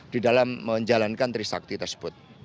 di dalam menjalankan trisakti tersebut